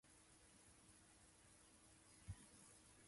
埼玉県長瀞町